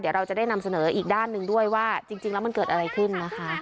เดี๋ยวเราจะได้นำเสนออีกด้านหนึ่งด้วยว่าจริงแล้วมันเกิดอะไรขึ้นนะคะ